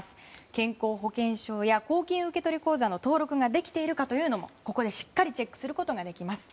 健康保険証や公金受取口座の登録ができているかというのもここでしっかりチェックすることができます。